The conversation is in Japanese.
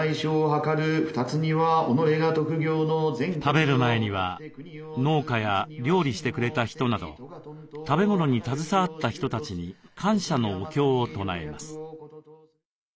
食べる前には農家や料理してくれた人など食べ物に携わった人たちに感謝のお経を唱えます。